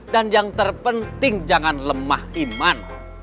dan yang terpenting jangan lemah iman